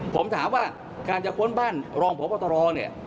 ผมถามว่าการจะค้นบ้านรองพบตรเนี่ย